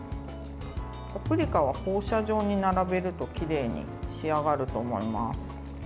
パプリカは放射状に並べるときれいに仕上がると思います。